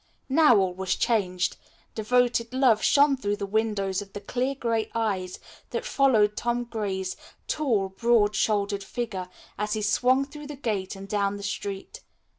Now all was changed. Devoted love shone through the windows of the clear gray eyes that followed Tom Gray's tall, broad shouldered figure, as he swung through the gate and down the street.